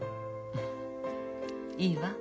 いいわ。